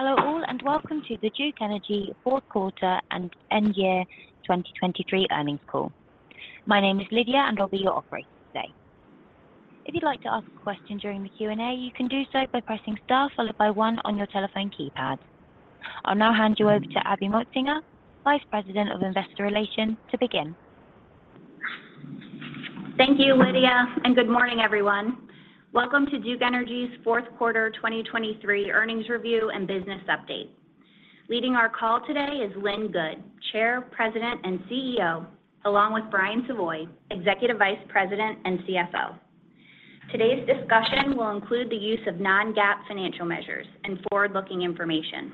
Hello all, and welcome to the Duke Energy fourth quarter and end year 2023 earnings call. My name is Lydia, and I'll be your operator today. If you'd like to ask a question during the Q&A, you can do so by pressing Star followed by one on your telephone keypad. I'll now hand you over to Abby Motsinger, Vice President of Investor Relations, to begin. Thank you, Lydia, and good morning, everyone. Welcome to Duke Energy's fourth quarter 2023 earnings review and business update. Leading our call today is Lynn Good, Chair, President, and CEO, along with Brian Savoy, Executive Vice President and CFO. Today's discussion will include the use of non-GAAP financial measures and forward-looking information.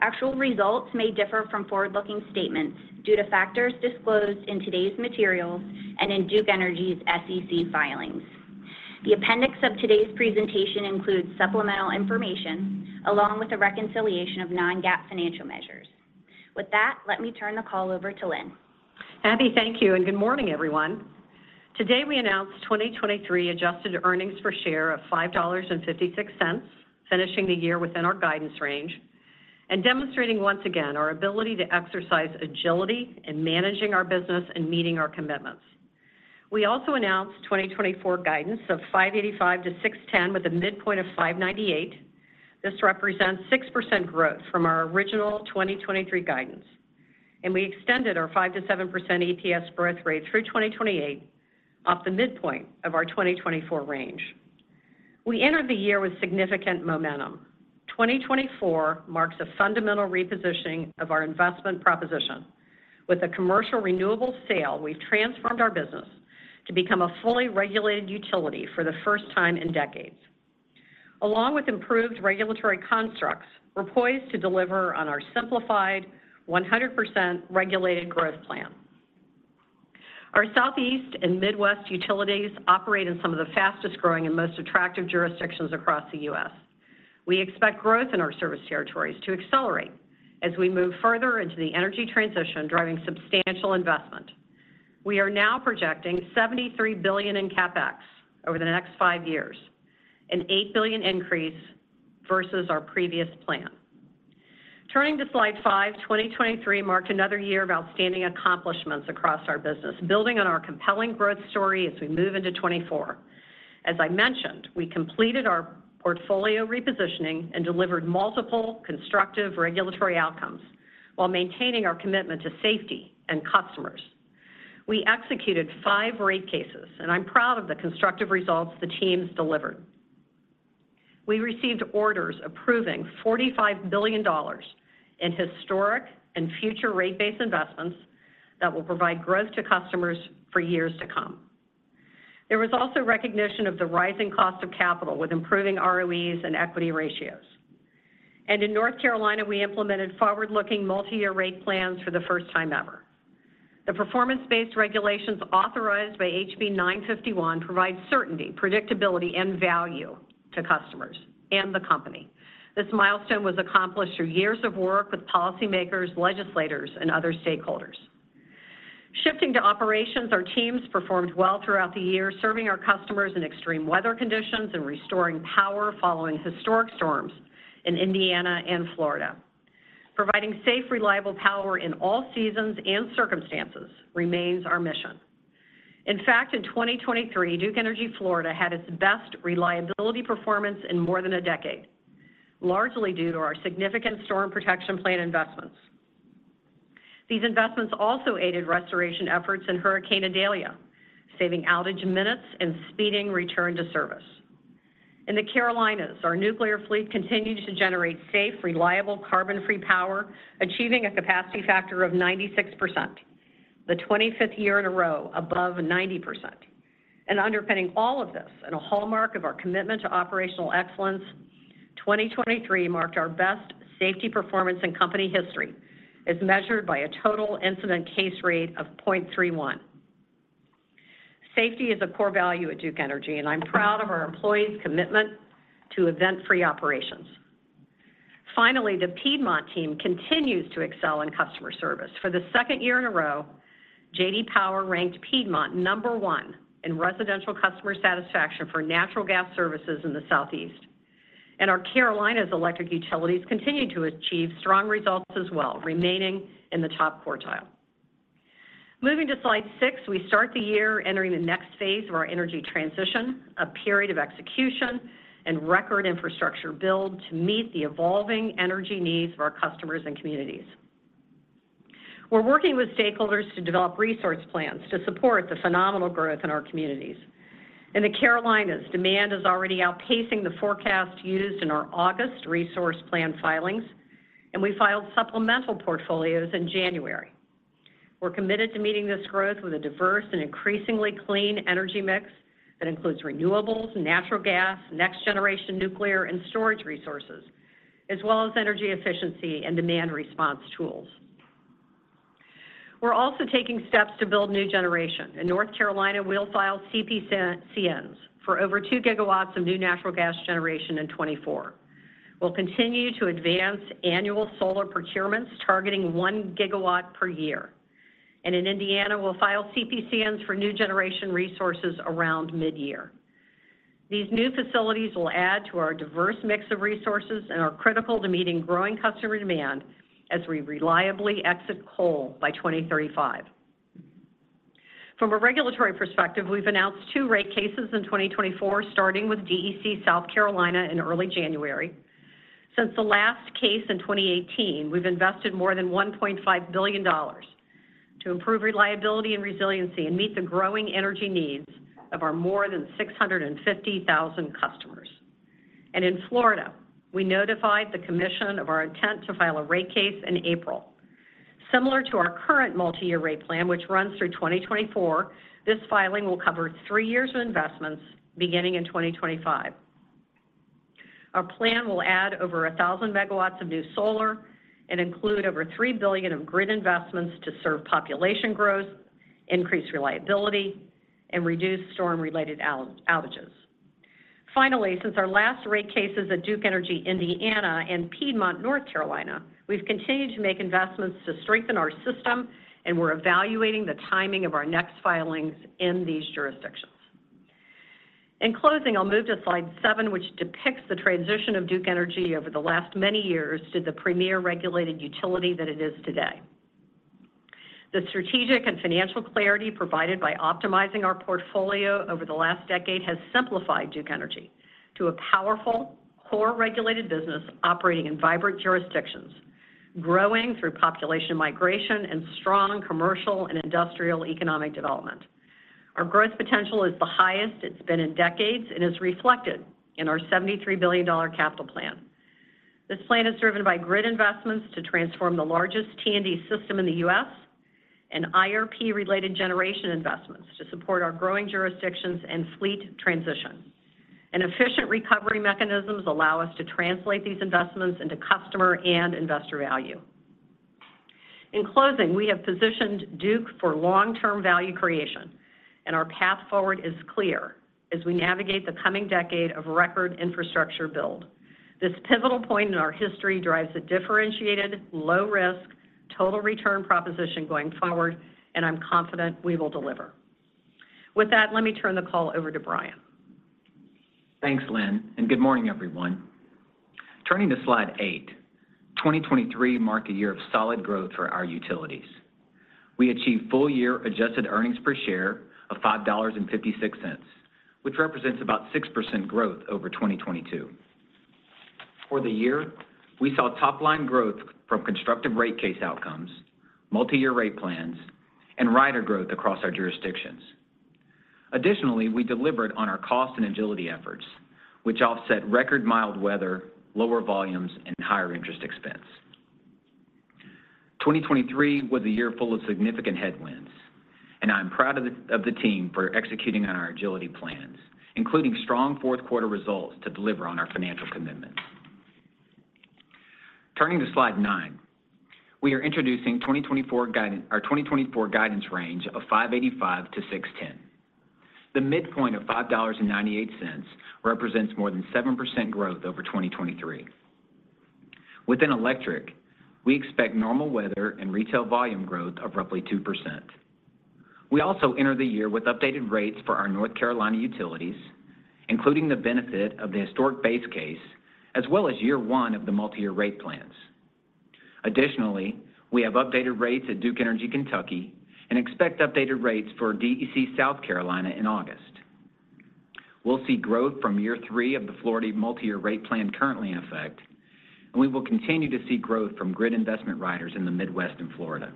Actual results may differ from forward-looking statements due to factors disclosed in today's materials and in Duke Energy's SEC filings. The appendix of today's presentation includes supplemental information, along with a reconciliation of non-GAAP financial measures. With that, let me turn the call over to Lynn. Abby, thank you, and good morning, everyone. Today, we announced 2023 adjusted earnings per share of $5.56, finishing the year within our guidance range and demonstrating once again our ability to exercise agility in managing our business and meeting our commitments. We also announced 2024 guidance of $5.85-$6.10, with a midpoint of $5.98. This represents 6% growth from our original 2023 guidance, and we extended our 5%-7% EPS growth rate through 2028 off the midpoint of our 2024 range. We entered the year with significant momentum. 2024 marks a fundamental repositioning of our investment proposition. With a commercial renewable sale, we've transformed our business to become a fully regulated utility for the first time in decades. Along with improved regulatory constructs, we're poised to deliver on our simplified 100% regulated growth plan. Our Southeast and Midwest utilities operate in some of the fastest-growing and most attractive jurisdictions across the U.S. We expect growth in our service territories to accelerate as we move further into the energy transition, driving substantial investment. We are now projecting $73,000,000,000 in CapEx over the next five years, an $8,000,000,000 increase versus our previous plan. Turning to slide five, 2023 marked another year of outstanding accomplishments across our business, building on our compelling growth story as we move into 2024. As I mentioned, we completed our portfolio repositioning and delivered multiple constructive regulatory outcomes while maintaining our commitment to safety and customers. We executed five rate cases, and I'm proud of the constructive results the teams delivered. We received orders approving $45,000,000,000 in historic and future rate-based investments that will provide growth to customers for years to come. There was also recognition of the rising cost of capital with improving ROEs and equity ratios. In North Carolina, we implemented forward-looking multi-year rate plans for the first time ever. The performance-based regulations authorized by HB 951 provide certainty, predictability, and value to customers and the company. This milestone was accomplished through years of work with policymakers, legislators, and other stakeholders. Shifting to operations, our teams performed well throughout the year, serving our customers in extreme weather conditions and restoring power following historic storms in Indiana and Florida. Providing safe, reliable power in all seasons and circumstances remains our mission. In fact, in 2023, Duke Energy Florida had its best reliability performance in more than a decade, largely due to our significant storm protection plan investments. These investments also aided restoration efforts in Hurricane Idalia, saving outage minutes and speeding return to service. In the Carolinas, our nuclear fleet continued to generate safe, reliable, carbon-free power, achieving a capacity factor of 96%, the 25th year in a row above 90%. And underpinning all of this, and a hallmark of our commitment to operational excellence, 2023 marked our best safety performance in company history, as measured by a total incident case rate of 0.31. Safety is a core value at Duke Energy, and I'm proud of our employees' commitment to event-free operations. Finally, the Piedmont team continues to excel in customer service. For the second year in a row, J.D. Power ranked Piedmont number one in residential customer satisfaction for natural gas services in the Southeast. Our Carolinas Electric Utilities continued to achieve strong results as well, remaining in the top quartile. Moving to slide 6, we start the year entering the next phase of our energy transition, a period of execution and record infrastructure build to meet the evolving energy needs of our customers and communities. We're working with stakeholders to develop resource plans to support the phenomenal growth in our communities. In the Carolinas, demand is already outpacing the forecast used in our August resource plan filings, and we filed supplemental portfolios in January. We're committed to meeting this growth with a diverse and increasingly clean energy mix that includes renewables, natural gas, next-generation nuclear and storage resources, as well as energy efficiency and demand response tools. We're also taking steps to build new generation. In North Carolina, we'll file CPCNs for over 2 GW of new natural gas generation in 2024. We'll continue to advance annual solar procurements, targeting 1 GW per year... And in Indiana, we'll file CPCNs for new generation resources around mid-year. These new facilities will add to our diverse mix of resources and are critical to meeting growing customer demand as we reliably exit coal by 2035. From a regulatory perspective, we've announced 2 rate cases in 2024, starting with DEC South Carolina in early January. Since the last case in 2018, we've invested more than $1,500,000,000 to improve reliability and resiliency and meet the growing energy needs of our more than 650,000 customers. In Florida, we notified the commission of our intent to file a rate case in April. Similar to our current multi-year rate plan, which runs through 2024, this filing will cover three years of investments beginning in 2025. Our plan will add over 1,000 MW of new solar and include over $3,000,000,000 of grid investments to serve population growth, increase reliability, and reduce storm-related outages. Finally, since our last rate cases at Duke Energy Indiana and Piedmont, North Carolina, we've continued to make investments to strengthen our system, and we're evaluating the timing of our next filings in these jurisdictions. In closing, I'll move to slide 7, which depicts the transition of Duke Energy over the last many years to the premier regulated utility that it is today. The strategic and financial clarity provided by optimizing our portfolio over the last decade has simplified Duke Energy to a powerful, core regulated business operating in vibrant jurisdictions, growing through population migration and strong commercial and industrial economic development. Our growth potential is the highest it's been in decades and is reflected in our $73,000,000,000 capital plan. This plan is driven by grid investments to transform the largest T&D system in the U.S., and IRP-related generation investments to support our growing jurisdictions and fleet transition. Efficient recovery mechanisms allow us to translate these investments into customer and investor value. In closing, we have positioned Duke for long-term value creation, and our path forward is clear as we navigate the coming decade of record infrastructure build. This pivotal point in our history drives a differentiated, low risk, total return proposition going forward, and I'm confident we will deliver. With that, let me turn the call over to Brian. Thanks, Lynn, and good morning, everyone. Turning to slide 8, 2023 marked a year of solid growth for our utilities. We achieved full-year adjusted earnings per share of $5.56, which represents about 6% growth over 2022. For the year, we saw top-line growth from constructive rate case outcomes, multi-year rate plans, and rider growth across our jurisdictions. Additionally, we delivered on our cost and agility efforts, which offset record mild weather, lower volumes, and higher interest expense. 2023 was a year full of significant headwinds, and I'm proud of the team for executing on our agility plans, including strong fourth quarter results to deliver on our financial commitments. Turning to slide 9, we are introducing 2024 guidance, our 2024 guidance range of $5.85-$6.10. The midpoint of $5.98 represents more than 7% growth over 2023. Within Electric, we expect normal weather and retail volume growth of roughly 2%. We also enter the year with updated rates for our North Carolina utilities, including the benefit of the historic base case, as well as year 1 of the multi-year rate plans. Additionally, we have updated rates at Duke Energy Kentucky, and expect updated rates for DEC South Carolina in August. We'll see growth from year 3 of the Florida multi-year rate plan currently in effect, and we will continue to see growth from grid investment riders in the Midwest and Florida.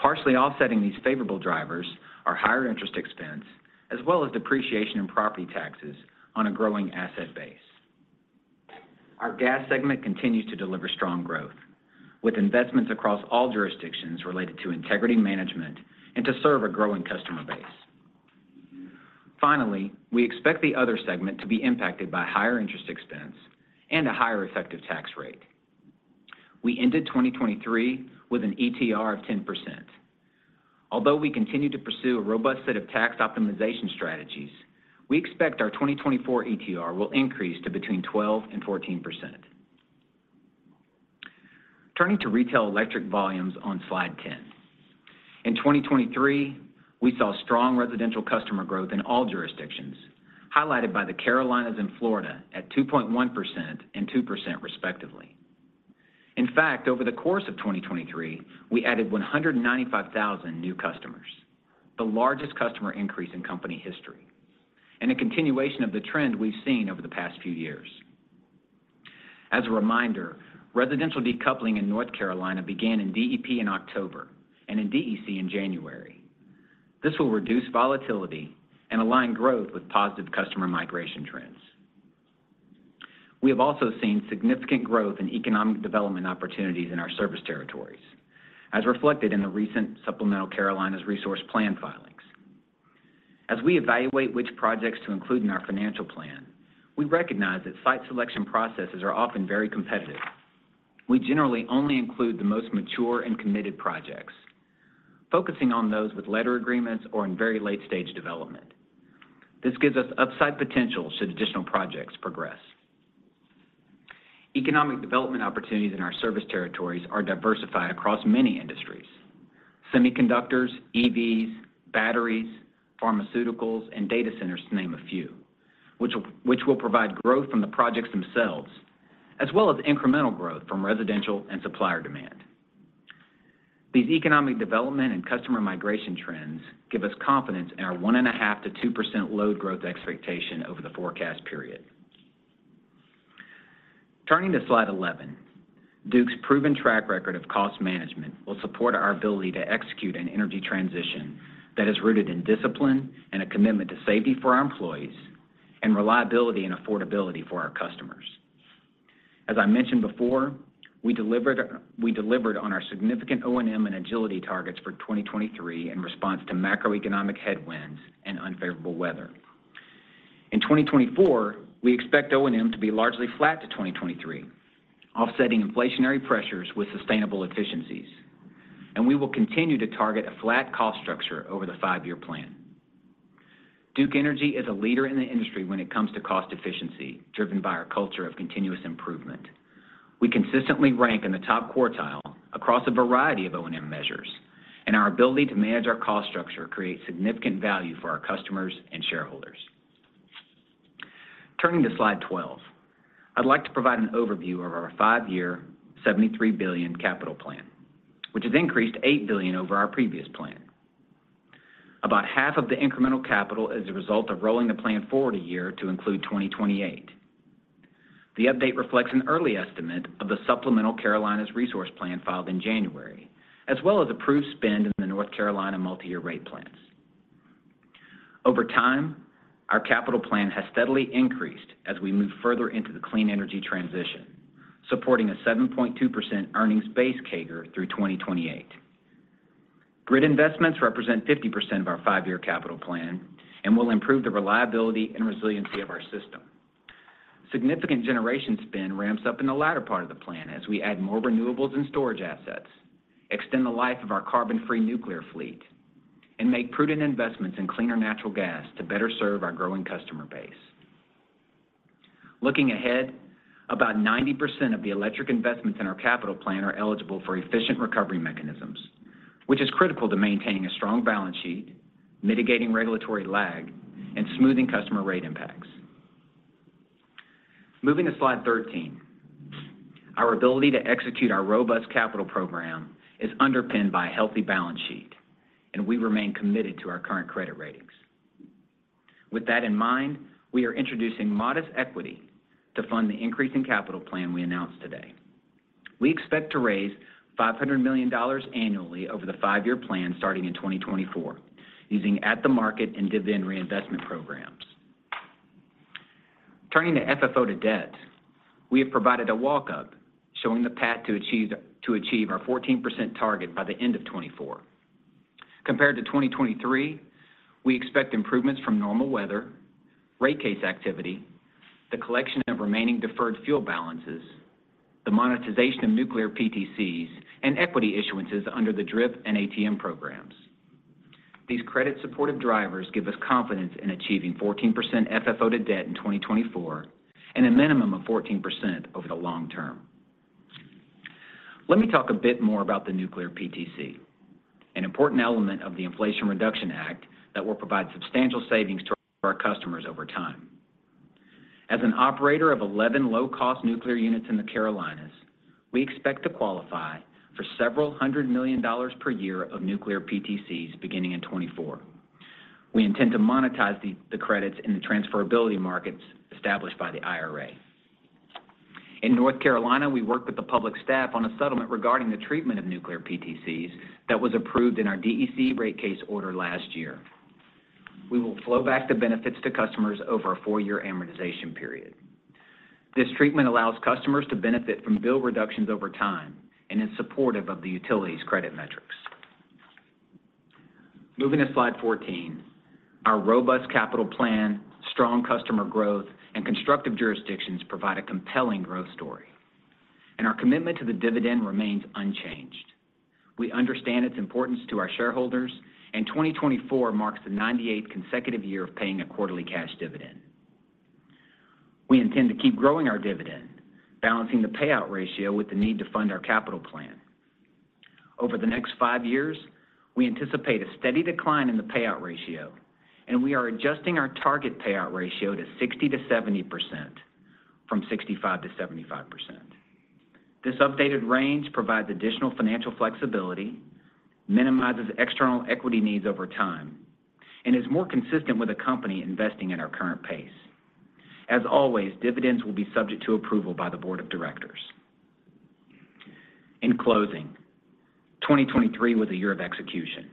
Partially offsetting these favorable drivers are higher interest expense, as well as depreciation in property taxes on a growing asset base. Our gas segment continues to deliver strong growth, with investments across all jurisdictions related to integrity management and to serve a growing customer base. Finally, we expect the other segment to be impacted by higher interest expense and a higher effective tax rate. We ended 2023 with an ETR of 10%. Although we continue to pursue a robust set of tax optimization strategies, we expect our 2024 ETR will increase to between 12% and 14%. Turning to retail electric volumes on slide 10. In 2023, we saw strong residential customer growth in all jurisdictions, highlighted by the Carolinas and Florida at 2.1% and 2% respectively. In fact, over the course of 2023, we added 195,000 new customers, the largest customer increase in company history, and a continuation of the trend we've seen over the past few years. As a reminder, residential decoupling in North Carolina began in DEP in October and in DEC in January. This will reduce volatility and align growth with positive customer migration trends. We have also seen significant growth in economic development opportunities in our service territories, as reflected in the recent supplemental Carolinas Resource Plan filings. As we evaluate which projects to include in our financial plan, we recognize that site selection processes are often very competitive. We generally only include the most mature and committed projects, focusing on those with letter agreements or in very late-stage development. This gives us upside potential should additional projects progress.... Economic development opportunities in our service territories are diversified across many industries: semiconductors, EVs, batteries, pharmaceuticals, and data centers, to name a few, which will, which will provide growth from the projects themselves, as well as incremental growth from residential and supplier demand. These economic development and customer migration trends give us confidence in our 1.5%-2% load growth expectation over the forecast period. Turning to slide 11, Duke's proven track record of cost management will support our ability to execute an energy transition that is rooted in discipline and a commitment to safety for our employees, and reliability and affordability for our customers. As I mentioned before, we delivered, we delivered on our significant O&M and agility targets for 2023 in response to macroeconomic headwinds and unfavorable weather. In 2024, we expect O&M to be largely flat to 2023, offsetting inflationary pressures with sustainable efficiencies, and we will continue to target a flat cost structure over the 5-year plan. Duke Energy is a leader in the industry when it comes to cost efficiency, driven by our culture of continuous improvement. We consistently rank in the top quartile across a variety of O&M measures, and our ability to manage our cost structure creates significant value for our customers and shareholders. Turning to slide 12, I'd like to provide an overview of our 5-year $73,000,000,000 capital plan, which has increased $8,000,000,000 over our previous plan. About half of the incremental capital is a result of rolling the plan forward a year to include 2028. The update reflects an early estimate of the supplemental Carolinas Resource Plan filed in January, as well as approved spend in the North Carolina multi-year rate plans. Over time, our capital plan has steadily increased as we move further into the clean energy transition, supporting a 7.2% earnings base CAGR through 2028. Grid investments represent 50% of our five-year capital plan and will improve the reliability and resiliency of our system. Significant generation spend ramps up in the latter part of the plan as we add more renewables and storage assets, extend the life of our carbon-free nuclear fleet, and make prudent investments in cleaner natural gas to better serve our growing customer base. Looking ahead, about 90% of the electric investments in our capital plan are eligible for efficient recovery mechanisms, which is critical to maintaining a strong balance sheet, mitigating regulatory lag, and smoothing customer rate impacts. Moving to slide 13, our ability to execute our robust capital program is underpinned by a healthy balance sheet, and we remain committed to our current credit ratings. With that in mind, we are introducing modest equity to fund the increase in capital plan we announced today. We expect to raise $500,000,000 annually over the five-year plan, starting in 2024, using at-the-market and dividend reinvestment programs. Turning to FFO to Debt, we have provided a walk-up showing the path to achieve our 14% target by the end of 2024. Compared to 2023, we expect improvements from normal weather, rate case activity, the collection of remaining deferred fuel balances, the monetization of nuclear PTCs, and equity issuances under the DRIP and ATM programs. These credit-supportive drivers give us confidence in achieving 14% FFO to debt in 2024 and a minimum of 14% over the long term. Let me talk a bit more about the nuclear PTC, an important element of the Inflation Reduction Act that will provide substantial savings to our customers over time. As an operator of 11 low-cost nuclear units in the Carolinas, we expect to qualify for several hundred million dollars per year of nuclear PTCs beginning in 2024. We intend to monetize the credits in the transferability markets established by the IRA. In North Carolina, we worked with the public staff on a settlement regarding the treatment of nuclear PTCs that was approved in our DEC rate case order last year. We will flow back the benefits to customers over a 4-year amortization period. This treatment allows customers to benefit from bill reductions over time and is supportive of the utility's credit metrics. Moving to slide 14. Our robust capital plan, strong customer growth, and constructive jurisdictions provide a compelling growth story, and our commitment to the dividend remains unchanged. We understand its importance to our shareholders, and 2024 marks the 98th consecutive year of paying a quarterly cash dividend. We intend to keep growing our dividend, balancing the payout ratio with the need to fund our capital plan. Over the next five years, we anticipate a steady decline in the payout ratio, and we are adjusting our target payout ratio to 60%-70% from 65%-75%. This updated range provides additional financial flexibility, minimizes external equity needs over time, and is more consistent with a company investing at our current pace. As always, dividends will be subject to approval by the board of directors. In closing, 2023 was a year of execution,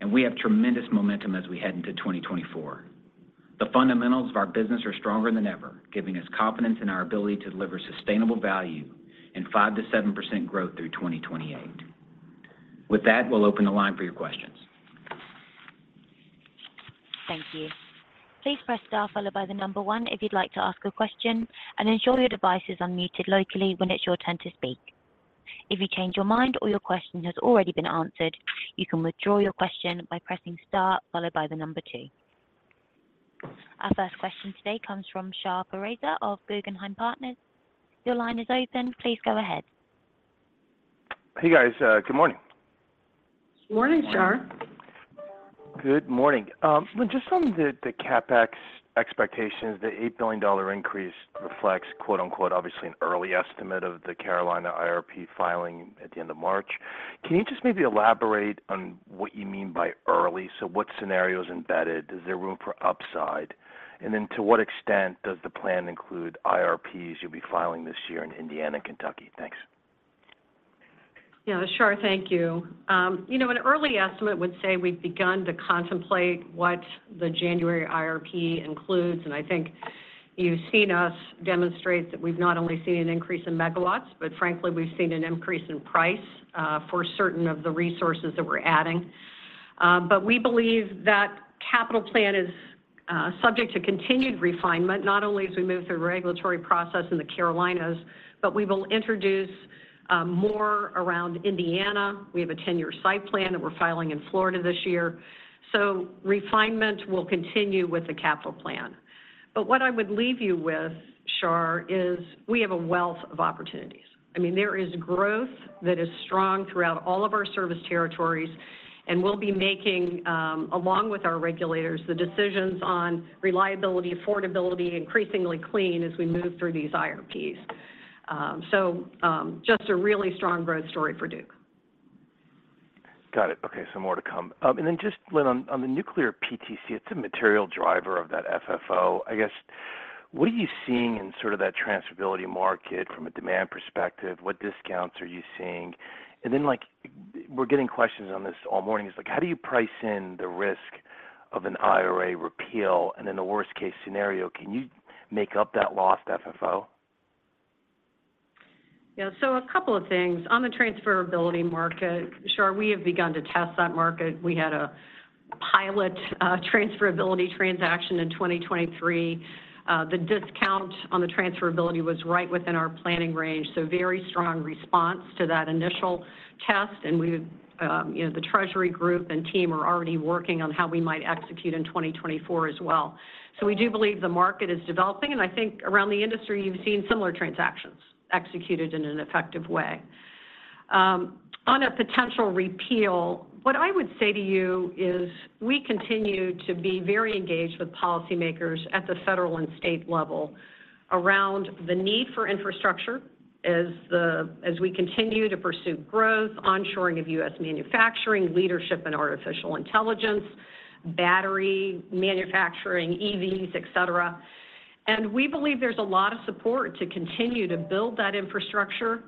and we have tremendous momentum as we head into 2024. The fundamentals of our business are stronger than ever, giving us confidence in our ability to deliver sustainable value and 5%-7% growth through 2028. With that, we'll open the line for your questions. Thank you. Please press star followed by the number one if you'd like to ask a question, and ensure your devices are muted locally when it's your turn to speak. If you change your mind or your question has already been answered, you can withdraw your question by pressing star followed by the number two. Our first question today comes from Shar Pourreza of Guggenheim Partners. Your line is open. Please go ahead. Hey, guys. Good morning. Morning, Shar. Good morning. Just on the CapEx expectations, the $8,000,000,000 increase reflects, quote-unquote, obviously, "an early estimate of the Carolina IRP filing at the end of March." Can you just maybe elaborate on what you mean by early? So what scenario is embedded? Is there room for upside? And then to what extent does the plan include IRPs you'll be filing this year in Indiana and Kentucky? Thanks. Yeah, Shar, thank you. You know, an early estimate would say we've begun to contemplate what the January IRP includes, and I think you've seen us demonstrate that we've not only seen an increase in megawatts, but frankly, we've seen an increase in price for certain of the resources that we're adding. But we believe that capital plan is subject to continued refinement, not only as we move through the regulatory process in the Carolinas, but we will introduce more around Indiana. We have a 10-year site plan that we're filing in Florida this year. So refinement will continue with the capital plan. But what I would leave you with, Shar, is we have a wealth of opportunities. I mean, there is growth that is strong throughout all of our service territories, and we'll be making, along with our regulators, the decisions on reliability, affordability, increasingly clean as we move through these IRPs. So, just a really strong growth story for Duke. Got it. Okay, so more to come. And then just, Lynn, on, on the nuclear PTC, it's a material driver of that FFO. I guess, what are you seeing in sort of that transferability market from a demand perspective? What discounts are you seeing? And then, like, we're getting questions on this all morning. It's like, how do you price in the risk of an IRA repeal? And in the worst-case scenario, can you make up that lost FFO? Yeah, so a couple of things. On the transferability market, Shar, we have begun to test that market. We had a pilot, transferability transaction in 2023. The discount on the transferability was right within our planning range, so very strong response to that initial test, and we, you know, the treasury group and team are already working on how we might execute in 2024 as well. So we do believe the market is developing, and I think around the industry, you've seen similar transactions executed in an effective way. On a potential repeal, what I would say to you is we continue to be very engaged with policymakers at the federal and state level around the need for infrastructure as we continue to pursue growth, onshoring of U.S. manufacturing, leadership in artificial intelligence, battery manufacturing, EVs, et cetera. And we believe there's a lot of support to continue to build that infrastructure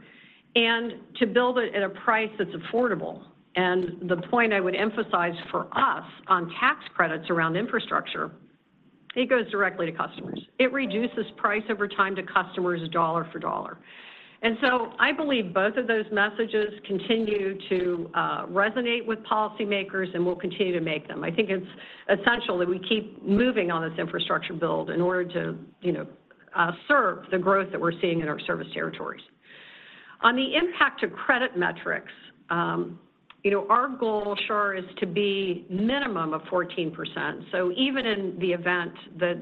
and to build it at a price that's affordable. And the point I would emphasize for us on tax credits around infrastructure, it goes directly to customers. It reduces price over time to customers dollar for dollar. And so I believe both of those messages continue to resonate with policymakers, and we'll continue to make them. I think it's essential that we keep moving on this infrastructure build in order to, you know, serve the growth that we're seeing in our service territories. On the impact to credit metrics, you know, our goal, sure, is to be minimum of 14%. So even in the event that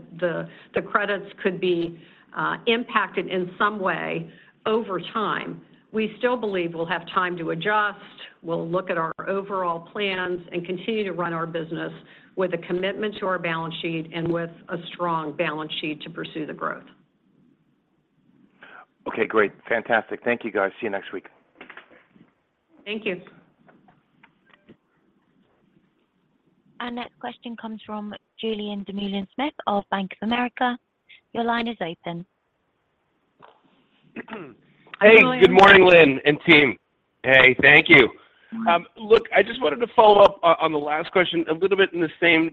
the credits could be impacted in some way over time, we still believe we'll have time to adjust. We'll look at our overall plans and continue to run our business with a commitment to our balance sheet and with a strong balance sheet to pursue the growth. Okay, great. Fantastic. Thank you, guys. See you next week. Thank you. Our next question comes from Julien Dumoulin-Smith of Bank of America. Your line is open. Hey, good morning, Lynn and team. Hey, thank you. Look, I just wanted to follow up on, on the last question a little bit in the same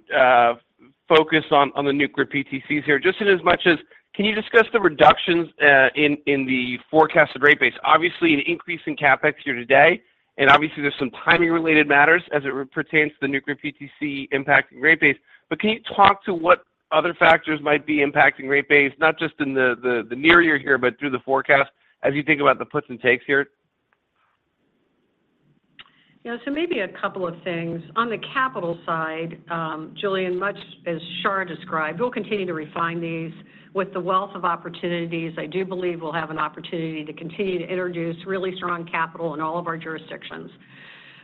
focus on, on the nuclear PTCs here, just in as much as can you discuss the reductions in the forecasted rate base? Obviously, an increase in CapEx here today, and obviously, there's some timing-related matters as it pertains to the nuclear PTC impacting rate base. But can you talk to what other factors might be impacting rate base, not just in the near year here, but through the forecast as you think about the puts and takes here? Yeah, so maybe a couple of things. On the capital side, Julien, much as Shar described, we'll continue to refine these with the wealth of opportunities. I do believe we'll have an opportunity to continue to introduce really strong capital in all of our jurisdictions.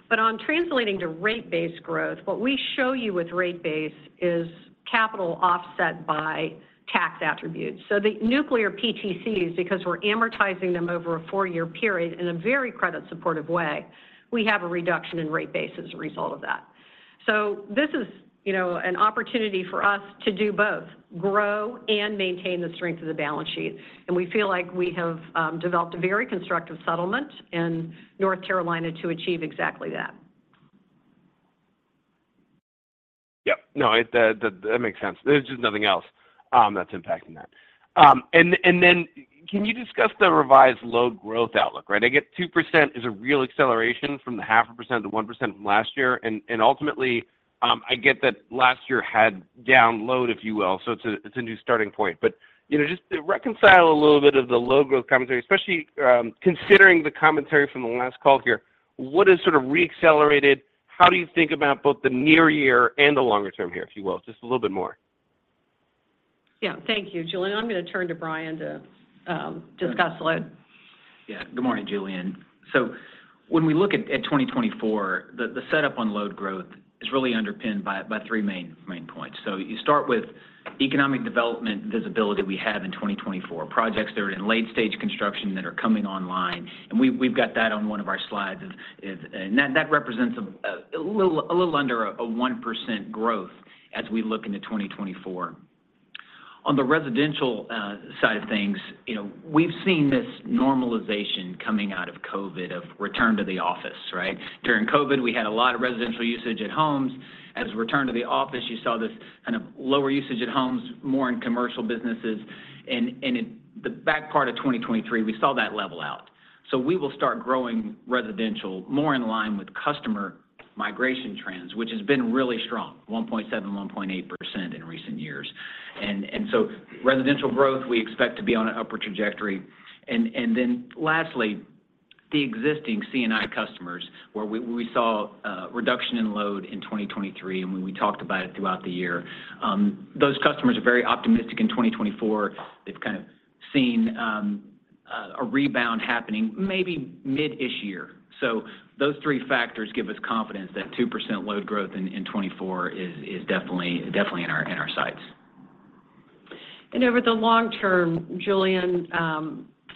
But on translating to rate base growth, what we show you with rate base is capital offset by tax attributes. So the nuclear PTCs, because we're amortizing them over a four-year period in a very credit-supportive way, we have a reduction in rate base as a result of that. So this is, you know, an opportunity for us to do both, grow and maintain the strength of the balance sheet, and we feel like we have developed a very constructive settlement in North Carolina to achieve exactly that. Yep. No, that makes sense. There's just nothing else that's impacting that. And then can you discuss the revised load growth outlook, right? I get 2% is a real acceleration from the half a percent to one percent from last year, and ultimately, I get that last year had down load, if you will, so it's a new starting point. But you know, just to reconcile a little bit of the low-growth commentary, especially considering the commentary from the last call here, what has sort of re-accelerated? How do you think about both the near year and the longer term here, if you will? Just a little bit more. Yeah. Thank you, Julien. I'm going to turn to Brian to discuss the load. Yeah. Good morning, Julien. So when we look at 2024, the setup on load growth is really underpinned by three main points. So you start with economic development visibility we have in 2024, projects that are in late-stage construction that are coming online, and we've got that on one of our slides. And that represents a little under a 1% growth as we look into 2024. On the residential side of things, you know, we've seen this normalization coming out of COVID, of return to the office, right? During COVID, we had a lot of residential usage at homes. As we return to the office, you saw this kind of lower usage at homes, more in commercial businesses. And in the back part of 2023, we saw that level out. So we will start growing residential more in line with customer migration trends, which has been really strong, 1.7, 1.8% in recent years. And so residential growth, we expect to be on an upward trajectory. And then lastly, the existing C&I customers, where we saw a reduction in load in 2023, and we talked about it throughout the year. Those customers are very optimistic in 2024. They've kind of seen a rebound happening maybe mid-ish year. So those three factors give us confidence that 2% load growth in 2024 is definitely, definitely in our sights. Over the long term, Julien,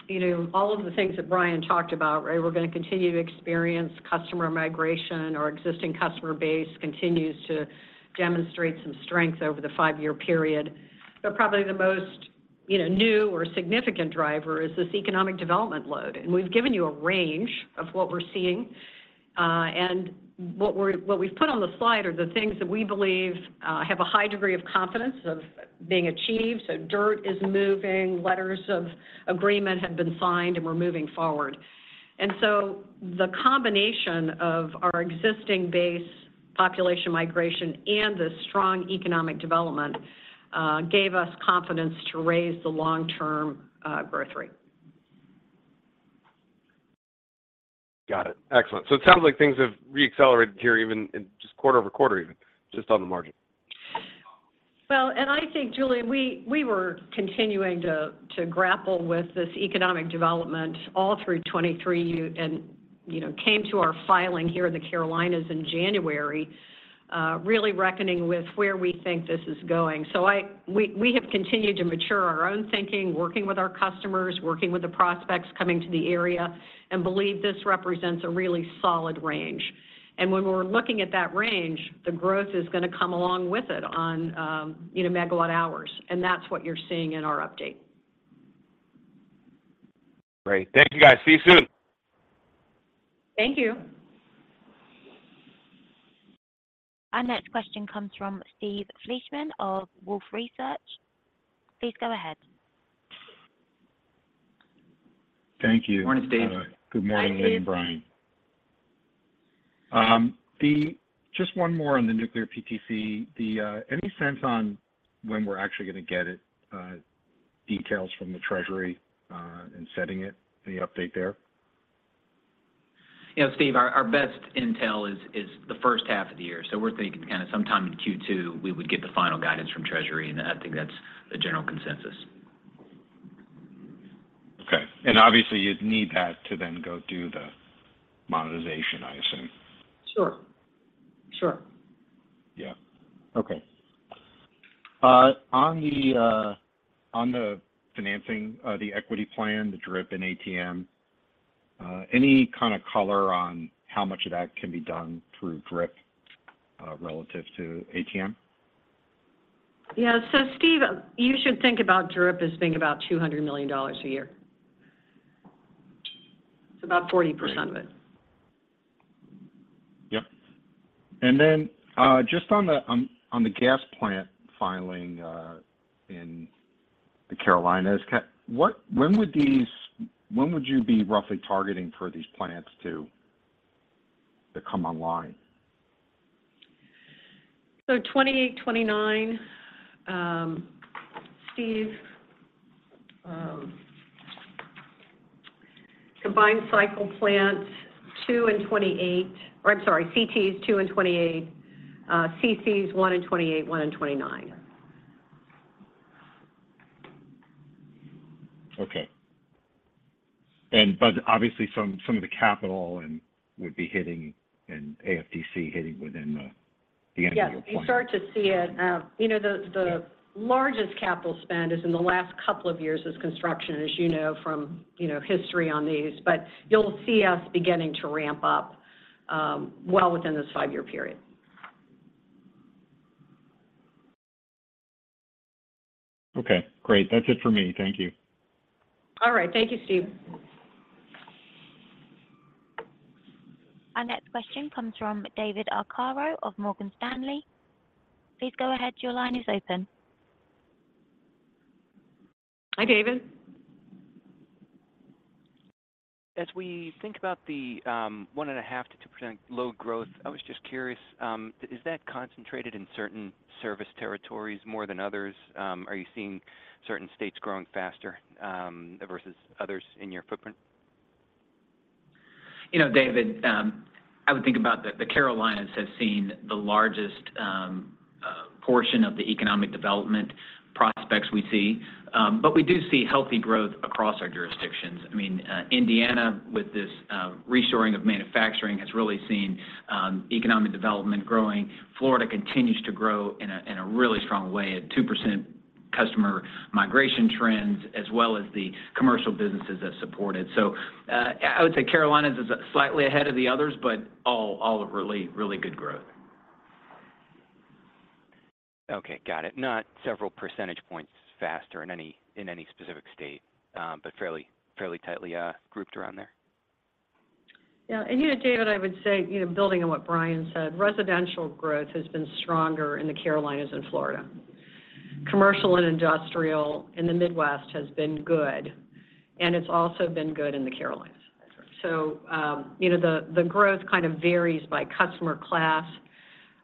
you know, all of the things that Brian talked about, right? We're going to continue to experience customer migration. Our existing customer base continues to demonstrate some strength over the five-year period. But probably the most, you know, new or significant driver is this economic development load, and we've given you a range of what we're seeing. And what we've put on the slide are the things that we believe have a high degree of confidence of being achieved. So dirt is moving, letters of agreement have been signed, and we're moving forward. And so the combination of our existing base population migration and the strong economic development gave us confidence to raise the long-term growth rate. Got it. Excellent. It sounds like things have re-accelerated here, even in just quarter-over-quarter, even just on the margin. Well, and I think, Julien, we were continuing to grapple with this economic development all through 2023. You and, you know, came to our filing here in the Carolinas in January, really reckoning with where we think this is going. So we have continued to mature our own thinking, working with our customers, working with the prospects coming to the area, and believe this represents a really solid range. And when we're looking at that range, the growth is going to come along with it on, you know, megawatt hours, and that's what you're seeing in our update. Great. Thank you, guys. See you soon. Thank you. Our next question comes from Steve Fleishman of Wolfe Research. Please go ahead. Thank you. Morning, Steve. Good morning. Hi, Steve... Lynn and Brian. Just one more on the Nuclear PTC. Then, any sense on when we're actually going to get it, details from the Treasury, in setting it, any update there? You know, Steve, our best intel is the first half of the year. So we're thinking kind of sometime in Q2, we would get the final guidance from Treasury, and I think that's the general consensus. Okay. Obviously, you'd need that to then go do the monetization, I assume. Sure. Sure. Yeah. Okay. On the financing, the equity plan, the DRIP and ATM, any kind of color on how much of that can be done through DRIP, relative to ATM? Yeah. So Steve, you should think about DRIP as being about $200,000,000 a year. It's about 40% of it. Yep. And then, just on the gas plant filing in the Carolinas, when would you be roughly targeting for these plants to come online? So 2029, Steve, combined cycle plants 2 and 28, or I'm sorry, CTs 2 and 28, CCs 1 and 28, 1 and 29. Okay. But obviously, some of the capital and would be hitting and AFUDC hitting within the annual point. Yes, you start to see it. You know, the largest capital spend is in the last couple of years as construction, as you know from, you know, history on these. But you'll see us beginning to ramp up, well within this five-year period. Okay, great. That's it for me. Thank you. All right. Thank you, Steve. Our next question comes from David Arcaro of Morgan Stanley. Please go ahead. Your line is open. Hi, David. As we think about the 1.5%-2% load growth, I was just curious, is that concentrated in certain service territories more than others? Are you seeing certain states growing faster, versus others in your footprint? ... You know, David, I would think about the Carolinas has seen the largest portion of the economic development prospects we see. But we do see healthy growth across our jurisdictions. I mean, Indiana, with this reshoring of manufacturing, has really seen economic development growing. Florida continues to grow in a really strong way, at 2% customer migration trends, as well as the commercial businesses that support it. So, I would say Carolinas is slightly ahead of the others, but all are really, really good growth. Okay, got it. Not several percentage points faster in any, in any specific state, but fairly, fairly tightly grouped around there? Yeah. And, you know, David, I would say, you know, building on what Brian said, residential growth has been stronger in the Carolinas and Florida. Commercial and industrial in the Midwest has been good, and it's also been good in the Carolinas. That's right. So, you know, the growth kind of varies by customer class,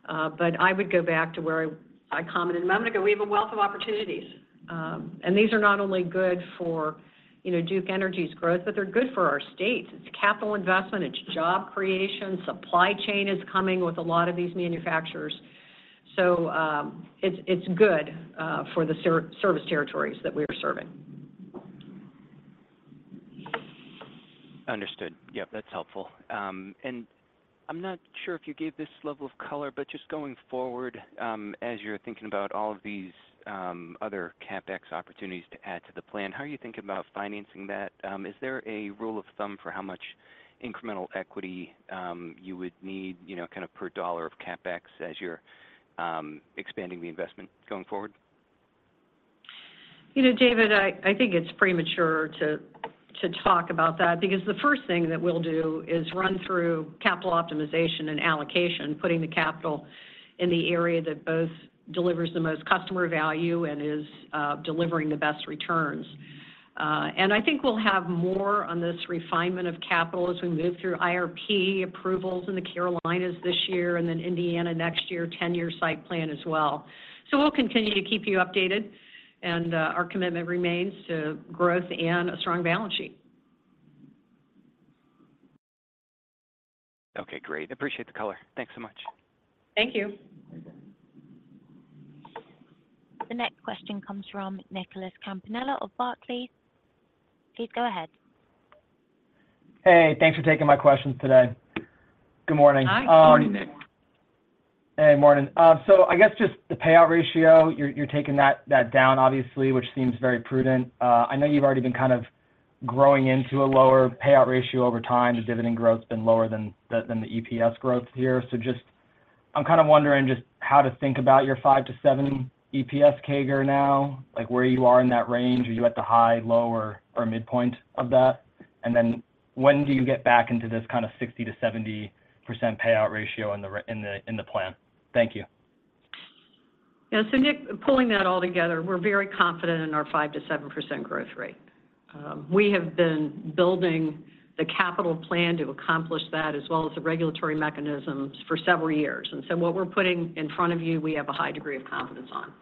but I would go back to where I commented a moment ago: we have a wealth of opportunities. And these are not only good for, you know, Duke Energy's growth, but they're good for our states. It's capital investment, it's job creation, supply chain is coming with a lot of these manufacturers. So, it's good for the service territories that we are serving. Understood. Yep, that's helpful. I'm not sure if you gave this level of color, but just going forward, as you're thinking about all of these other CapEx opportunities to add to the plan, how are you thinking about financing that? Is there a rule of thumb for how much incremental equity you would need, you know, kind of per dollar of CapEx as you're expanding the investment going forward? You know, David, I think it's premature to talk about that, because the first thing that we'll do is run through capital optimization and allocation, putting the capital in the area that both delivers the most customer value and is delivering the best returns. And I think we'll have more on this refinement of capital as we move through IRP approvals in the Carolinas this year, and then Indiana next year, ten-year site plan as well. So we'll continue to keep you updated, and our commitment remains to growth and a strong balance sheet. Okay, great. Appreciate the color. Thanks so much. Thank you. The next question comes from Nicholas Campanella of Barclays. Please go ahead. Hey, thanks for taking my questions today. Good morning. Hi. Good morning, Nick. Hey, morning. So I guess just the payout ratio, you're taking that down, obviously, which seems very prudent. I know you've already been kind of growing into a lower payout ratio over time. The dividend growth's been lower than the EPS growth here. So just—I'm kind of wondering just how to think about your 5-7 EPS CAGR now, like, where you are in that range. Are you at the high, low, or midpoint of that? And then, when do you get back into this kind of 60%-70% payout ratio in the plan? Thank you. Yeah. So, Nick, pulling that all together, we're very confident in our 5%-7% growth rate. We have been building the capital plan to accomplish that, as well as the regulatory mechanisms for several years. And so what we're putting in front of you, we have a high degree of confidence on.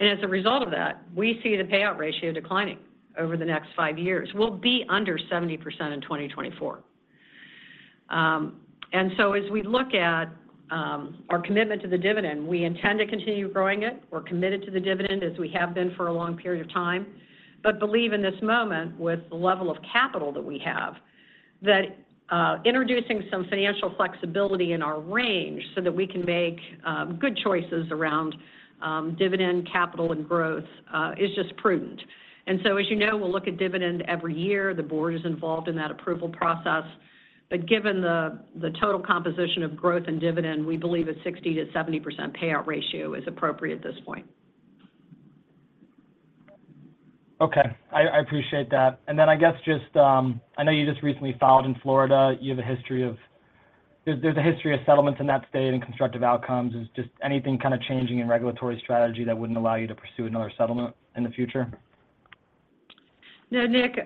And as a result of that, we see the payout ratio declining over the next five years. We'll be under 70% in 2024. And so as we look at our commitment to the dividend, we intend to continue growing it. We're committed to the dividend as we have been for a long period of time, but believe in this moment, with the level of capital that we have, that introducing some financial flexibility in our range so that we can make good choices around dividend, capital, and growth is just prudent. And so as you know, we'll look at dividend every year. The board is involved in that approval process. But given the total composition of growth and dividend, we believe a 60%-70% payout ratio is appropriate at this point. Okay. I appreciate that. And then I guess just I know you just recently filed in Florida. You have a history of. There's a history of settlements in that state and constructive outcomes. Is just anything kind of changing in regulatory strategy that wouldn't allow you to pursue another settlement in the future? No, Nick,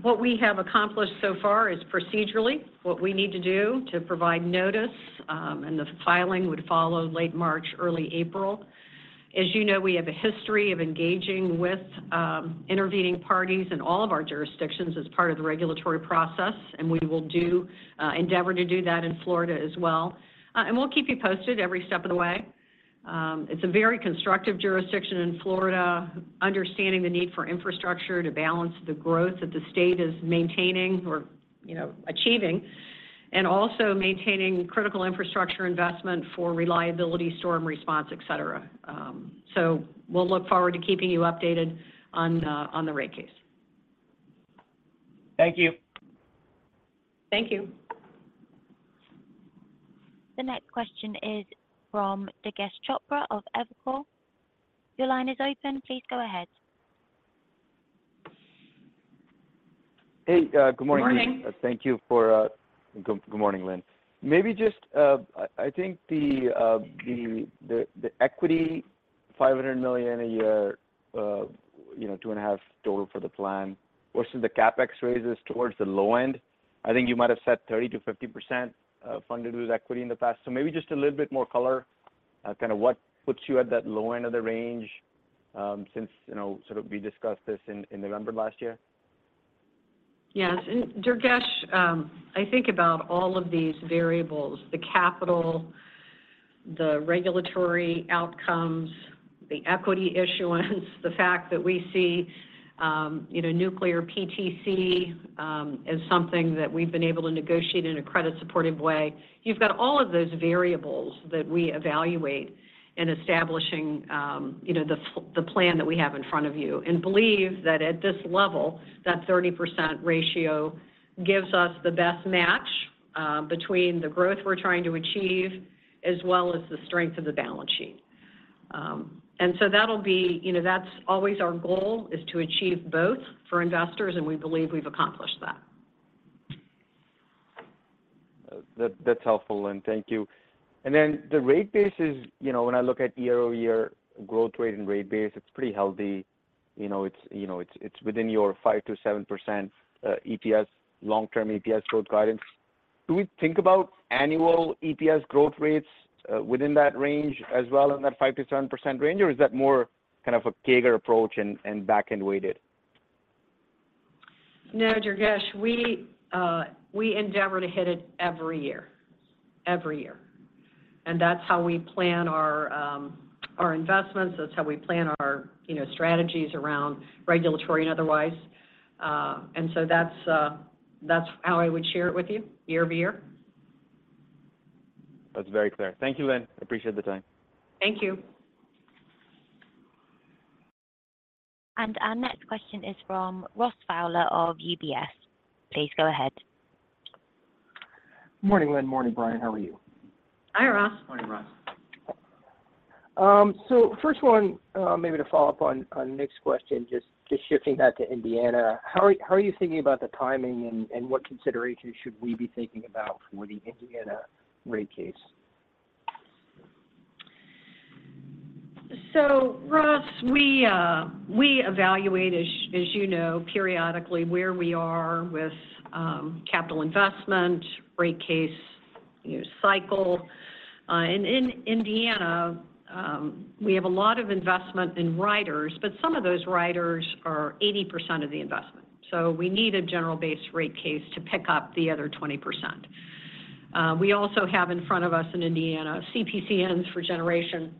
what we have accomplished so far is procedurally what we need to do to provide notice, and the filing would follow late March, early April. As you know, we have a history of engaging with intervening parties in all of our jurisdictions as part of the regulatory process, and we will endeavor to do that in Florida as well. And we'll keep you posted every step of the way. It's a very constructive jurisdiction in Florida, understanding the need for infrastructure to balance the growth that the state is maintaining or, you know, achieving, and also maintaining critical infrastructure investment for reliability, storm response, et cetera. So we'll look forward to keeping you updated on the rate case. Thank you. Thank you. The next question is from Durgesh Chopra of Evercore. Your line is open. Please go ahead. Hey, good morning. Good morning. Thank you for, good morning, Lynn. Maybe just, I think the equity, $500,000,000 a year, you know, $2,500,000,000 total for the plan versus the CapEx raise is towards the low end. I think you might have said 30%-50% funded with equity in the past. Maybe just a little bit more color, kind of what puts you at that low end of the range?... since, you know, sort of we discussed this in November last year? Yes. And Durgesh, I think about all of these variables: the capital, the regulatory outcomes, the equity issuance, the fact that we see, you know, nuclear PTC, as something that we've been able to negotiate in a credit-supportive way. You've got all of those variables that we evaluate in establishing, you know, the plan that we have in front of you and believe that at this level, that 30% ratio gives us the best match, between the growth we're trying to achieve, as well as the strength of the balance sheet. And so that'll be, you know, that's always our goal is to achieve both for investors, and we believe we've accomplished that. That, that's helpful, Lynn, thank you. And then the rate base is, you know, when I look at year-over-year growth rate and rate base, it's pretty healthy. You know, it's, you know, it's, it's within your 5%-7% EPS long-term EPS growth guidance. Do we think about annual EPS growth rates, within that range as well, in that 5%-7% range, or is that more kind of a CAGR approach and, and back-end weighted? No, Durgesh, we endeavor to hit it every year. Every year. And that's how we plan our investments, that's how we plan our, you know, strategies around regulatory and otherwise. And so that's how I would share it with you, year over year. That's very clear. Thank you, Lynn. I appreciate the time. Thank you. Our next question is from Ross Fowler of UBS. Please go ahead. Morning, Lynn. Morning, Brian. How are you? Hi, Ross. Morning, Ross. So first one, maybe to follow up on Nick's question, just shifting that to Indiana. How are you thinking about the timing and what considerations should we be thinking about for the Indiana rate case? So, Ross, we evaluate, as you know, periodically where we are with capital investment, rate case, you know, cycle. And in Indiana, we have a lot of investment in riders, but some of those riders are 80% of the investment, so we need a general base rate case to pick up the other 20%. We also have in front of us in Indiana, CPCNs for generation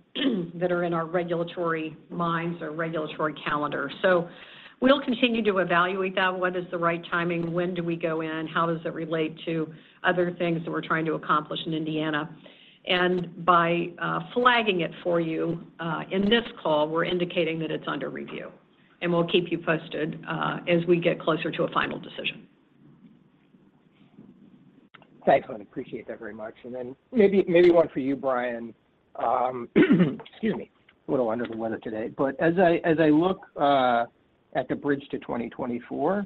that are in our regulatory minds or regulatory calendar. So we'll continue to evaluate that. What is the right timing? When do we go in? How does it relate to other things that we're trying to accomplish in Indiana? And by flagging it for you in this call, we're indicating that it's under review, and we'll keep you posted as we get closer to a final decision. Thanks, Lynn. Appreciate that very much. And then maybe one for you, Brian. Excuse me. A little under the weather today. But as I look at the bridge to 2024,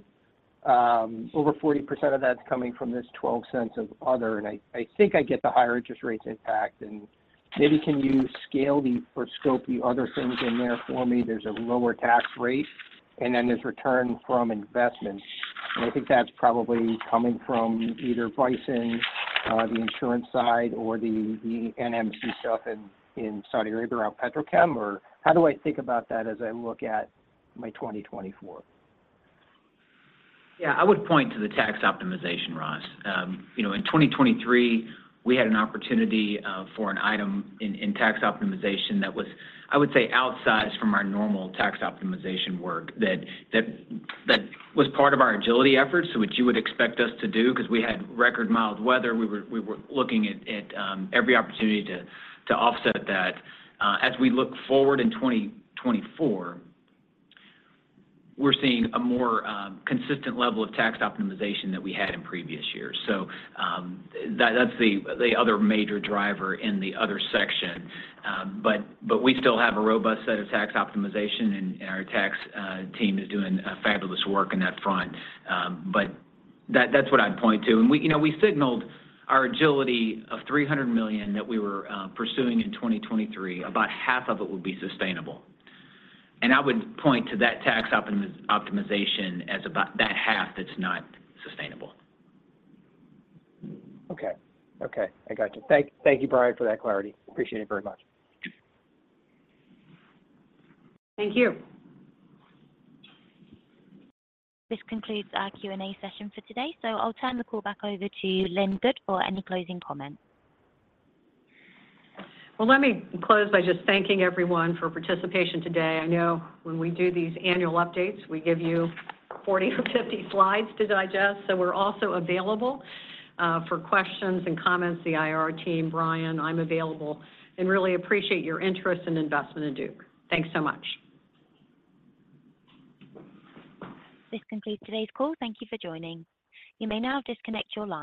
over 40% of that's coming from this $0.12 of other, and I think I get the higher interest rates impact, and maybe can you scale or scope the other things in there for me? There's a lower tax rate, and then there's return from investment. And I think that's probably coming from either Bison, the insurance side, or the NMC stuff in Saudi Arabia around Petrochem, or how do I think about that as I look at my 2024? Yeah, I would point to the tax optimization, Ross. You know, in 2023, we had an opportunity for an item in tax optimization that was, I would say, outsized from our normal tax optimization work, that was part of our agility efforts, so which you would expect us to do, because we had record mild weather. We were looking at every opportunity to offset that. As we look forward in 2024, we're seeing a more consistent level of tax optimization than we had in previous years. So, that is the other major driver in the other section. But we still have a robust set of tax optimization, and our tax team is doing fabulous work on that front. But that is what I'd point to. And we, you know, we signaled our agility of $300,000,000 that we were pursuing in 2023, about half of it would be sustainable. And I would point to that tax optimization as about that half that's not sustainable. Okay. Okay, I gotcha. Thank you, Brian, for that clarity. Appreciate it very much. Thank you. This concludes our Q&A session for today, so I'll turn the call back over to Lynn Good for any closing comments. Well, let me close by just thanking everyone for participation today. I know when we do these annual updates, we give you 40 or 50 slides to digest, so we're also available for questions and comments, the IR team, Brian, I'm available, and really appreciate your interest and investment in Duke. Thanks so much. This concludes today's call. Thank you for joining. You may now disconnect your line.